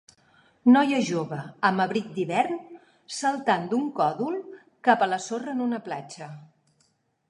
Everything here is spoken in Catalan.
noia jove amb abric d'hivern saltant d'un còdol cap a la sorra en una platja